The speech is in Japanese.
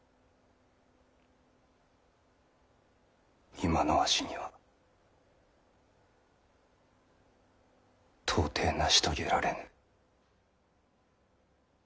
今のわしには到底成し遂げられぬ。